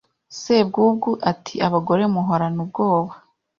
Sebwugugu ati Abagore muhorana ubwoba